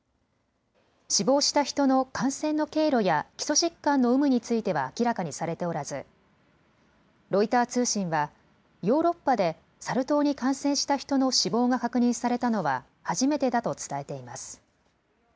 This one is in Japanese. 死亡した人の感染の経路や基礎疾患の有無については明らかにされておらず、ロイター通信はヨーロッパでサル痘に感染した人の死亡が確認されたのは初めてだと伝えています。